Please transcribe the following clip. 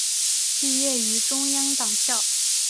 毕业于中央党校。